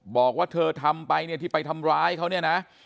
บอกว่าเธอทำไปที่ไปทำร้ายเขานี่นะ